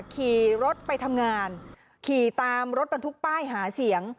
ขี่รถไปทำงานขี่ตามรถบรรทุกป้ายหาเสียง